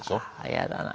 嫌だなぁ。